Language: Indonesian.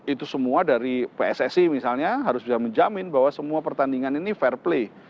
itu semua dari pssi misalnya harus sudah menjamin bahwa semua pertandingan ini fair play